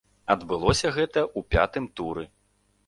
Адбылося гэта ў пятым туры.